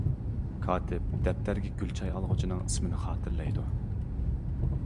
كاتىپ دەپتەرگە گۈل چاي ئالغۇچىنىڭ ئىسمىنى خاتىرىلەيدۇ.